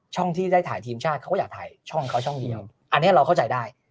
ที่ได้ถ่ายทีมชาติเขาก็อยากถ่ายช่องเขาช่องเดียวอันนี้เราเข้าใจได้